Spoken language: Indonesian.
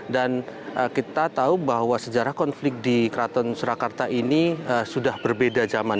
dan kita tahu bahwa sejarah konflik di keraton surakarta ini sudah berbeda zaman